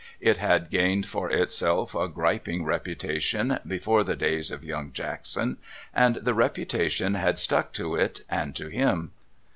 It had gained for itself a griping reputation before the days of Young Jackson, and the reputation had stuck to it and to him.